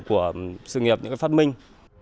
của sự nghiệp những cái phát minh